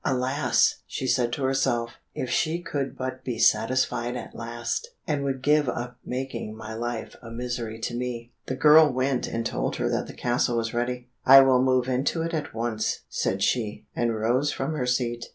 "Alas!" she said to herself, "if she could but be satisfied at last, and would give up making my life a misery to me." The girl went and told her that the castle was ready. "I will move into it at once," said she, and rose from her seat.